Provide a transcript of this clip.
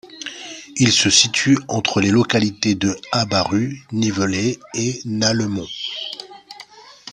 Il se situe entre les localités de Habaru, Nivelet et Naleumont.